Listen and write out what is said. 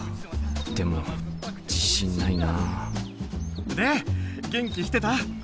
でも自信ないなで元気してた？